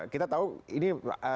kita tahu ini